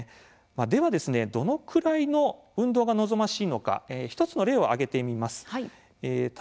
では、どのくらいの運動が望ましいのか１つの例を挙げています。